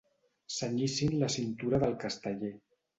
Cenyissin la cintura del casteller.